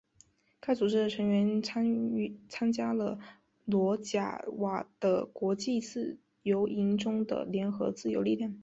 该组织的成员参加了罗贾瓦的国际自由营中的联合自由力量。